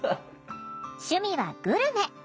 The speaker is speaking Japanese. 趣味はグルメ。